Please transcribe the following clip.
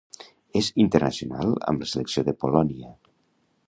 És internacional amb la selecció de Polònia.